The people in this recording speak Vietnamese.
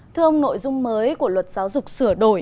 thưa ông nội dung mới của luật giáo dục sửa đổi